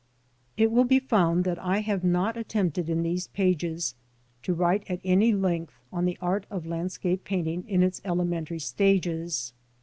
IT will be found that I have not attempted in these pages to write at any length on the art of landscape painting in its elementary stages.